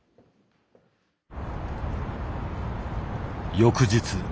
翌日。